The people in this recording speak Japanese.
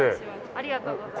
ありがとうございます。